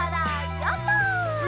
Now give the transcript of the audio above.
ヨット！